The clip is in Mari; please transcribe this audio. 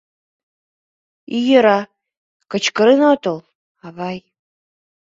— И йӧра, кычкырен отыл, авай.